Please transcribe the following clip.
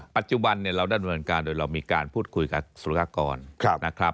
ปัจจุบันเราดำเนินการโดยเรามีการพูดคุยกับสุรกากรนะครับ